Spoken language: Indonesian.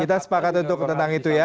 kita sepakat untuk tentang itu ya